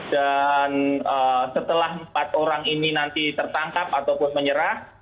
dan setelah empat orang ini nanti tertangkap ataupun menyerah